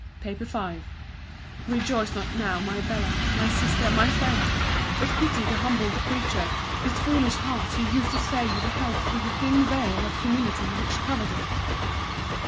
— PAPER V Rejoice not now, my Bella, my Sister, my Friend; but pity the humbled creature, whose foolish heart you used to say you beheld through the thin veil of humility which covered it.